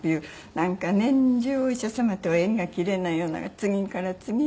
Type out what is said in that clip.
なんか年中お医者様と縁が切れないようなのが次から次へとね。